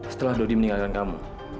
setelah dodi meninggalkan kamu